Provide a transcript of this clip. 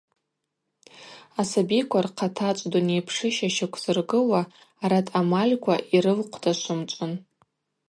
Асабиква рхъатачӏв дунейпшыща щаквзыргылуа арат амальква йрылхъвдашвымчӏвын.